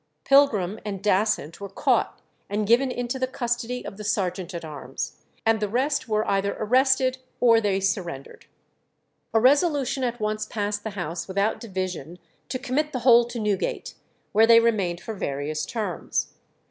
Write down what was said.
Pilgrim and Dasent were caught and given into the custody of the sergeant at arms, and the rest were either arrested or they surrendered. A resolution at once passed the House without division to commit the whole to Newgate, where they remained for various terms.